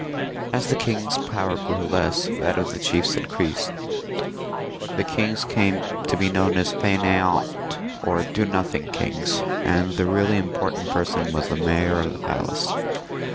As the kings' power grew less, that of the chiefs increased; the kings came to be known as Faineant or Do nothing kings, and the really important person was the Mayor of the Palace.